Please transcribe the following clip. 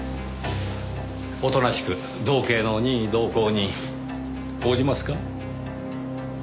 おとなしく道警の任意同行に応じますか？